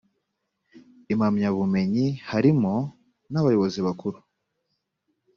impamyabumenyi harimo n abayobozi bakuru